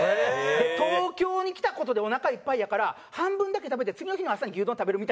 東京に来た事でおなかいっぱいやから半分だけ食べて次の日の朝に牛丼食べるみたいな。